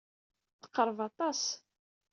Teqreb aṭas.